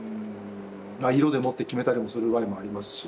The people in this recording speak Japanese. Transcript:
まあ色でもって決めたりもする場合もありますし。